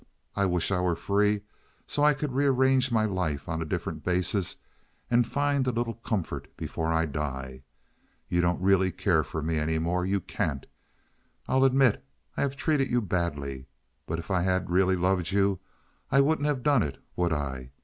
I wish I were free so I could rearrange my life on a different basis and find a little comfort before I die. You don't really care for me any more. You can't. I'll admit I have treated you badly; but if I had really loved you I wouldn't have done it, would I?